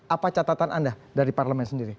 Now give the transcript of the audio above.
apa catatan anda dari parlemen sendiri